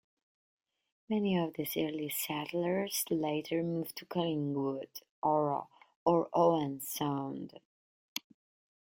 Many of these early settlers later moved to Collingwood, Oro, or Owen Sound.